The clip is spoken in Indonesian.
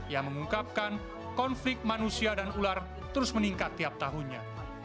yang mengungkapkan konflik manusia dan ular terus meningkat tiap tahunnya